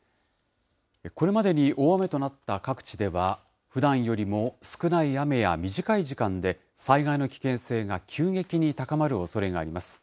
これまでに大雨となった各地では、ふだんよりも少ない雨や短い時間で災害の危険性が急激に高まるおそれがあります。